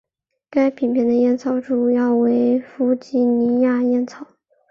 该品牌的烟草主要为弗吉尼亚烟草。